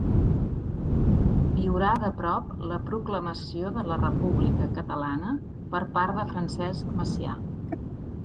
Viurà de prop la proclamació de la República Catalana per part de Francesc Macià.